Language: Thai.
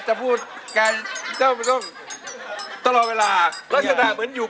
จริงใช้พืชที่รอบ